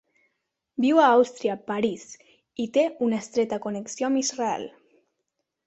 Viu a Àustria, París i té una estreta connexió amb Israel.